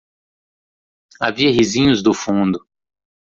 Havia risinhos do fundo.